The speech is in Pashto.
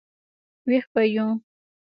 وېښ به یو.